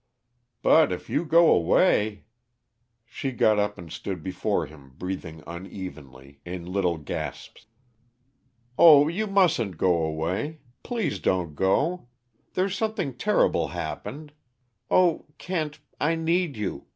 "But if you go away " She got up and stood before him, breathing unevenly, in little gasps. "Oh, you mustn't go away! Please don't go! I there's something terrible happened oh, Kent, I need you!